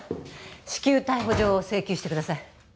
至急逮捕状を請求してください。